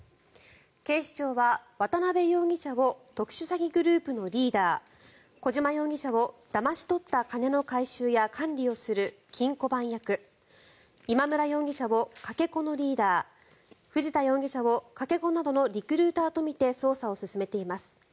警視庁は渡邉容疑者を特殊詐欺グループのリーダー小島容疑者をだまし取った金の回収や管理をする金庫番役今村容疑者を、かけ子のリーダー藤田容疑者をかけ子などのリクルーターとみて捜査を進めています。